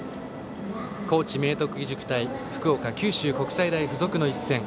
高知・明徳義塾対福岡・九州国際大付属の一戦。